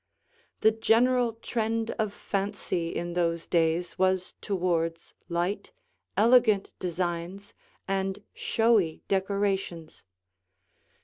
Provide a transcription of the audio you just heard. The general trend of fancy in those days was towards light, elegant designs and showy decorations.